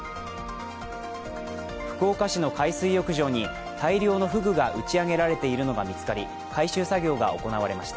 福岡市の海水浴場に大量のフグが打ち上げられているのが見つかり回収作業が行われました。